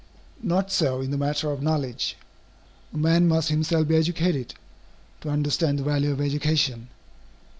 Not so in the matter of knowledge. A man must himself be educated, to understand the value of education.